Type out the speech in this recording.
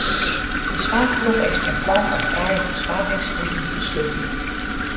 De soarchgroep is fan plan om trije fersoargingshuzen te sluten.